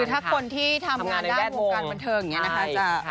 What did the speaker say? คือถ้าคนที่ทำงานได้วงการบันเทิงอย่างนี้นะคะ